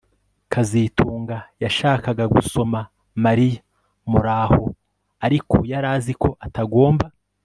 kazitunga yashakaga gusoma Mariya muraho ariko yari azi ko atagomba